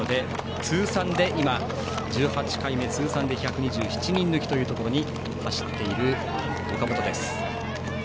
通算で１８回目通算で１２７人抜きというところを走っている、岡本です。